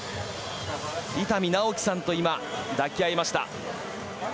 伊丹直喜さんと抱き合いました。